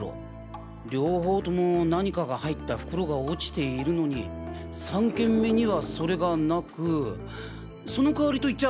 両方共何かが入った袋が落ちているのに３件目にはそれがなくその代わりといっちゃ